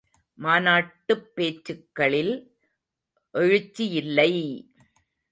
மாநாட்டுப் பேச்சுக்களில் எழுச்சியில்லை!